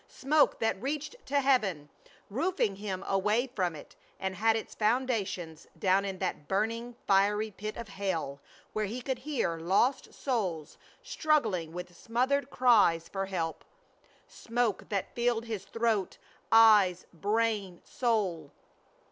Smoke that reached to heaven, roofing him away from it, and had its foundations down in the burning fiery pit of hell where he could hear lost souls struggling with smothered cries for help. Smoke that filled his throat, eyes, brain, soul.